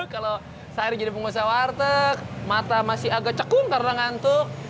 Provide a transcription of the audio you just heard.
kalau sehari jadi pengusaha warteg mata masih agak cekung karena ngantuk